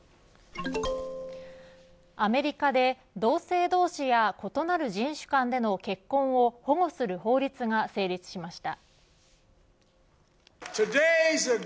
アメリカで、同性同士や異なる人種間での結婚を保護する法律が成立しました。